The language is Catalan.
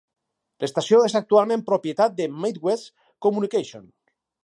L'estació és actualment propietat de Midwest Communications.